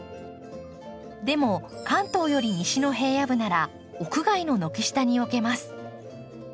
でも関東より西の平野部なら屋外の軒下に置けます。